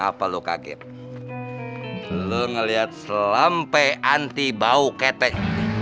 apa lu kaget lu ngelihat selampe anti bau ketek